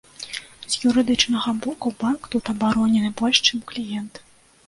З юрыдычнага боку банк тут абаронены больш, чым кліент.